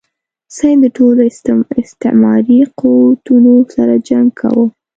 سید د ټولو استعماري قوتونو سره جنګ کاوه.